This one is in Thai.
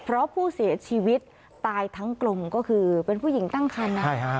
เพราะผู้เสียชีวิตตายทั้งกลมก็คือเป็นผู้หญิงตั้งคันนะ